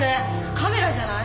カメラじゃない？